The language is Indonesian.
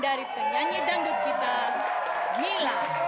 terima kasih banyak semuanya